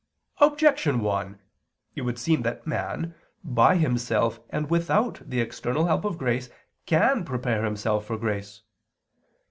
Objection 1: It would seem that man, by himself and without the external help of grace, can prepare himself for grace.